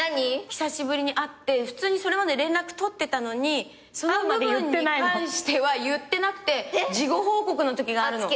久しぶりに会って普通にそれまで連絡取ってたのにその部分に関しては言ってなくて事後報告のときがあるの。